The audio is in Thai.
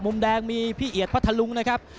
มุมแดงมีพี่เอียดพัทธลุงนะครับ